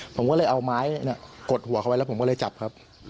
ผมก็เลยเอาไม้กดหัวเขาไว้แล้วผมก็เลยจับครับ